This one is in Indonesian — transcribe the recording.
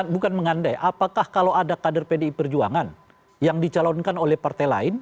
bukan mengandai apakah kalau ada kader pdi perjuangan yang dicalonkan oleh partai lain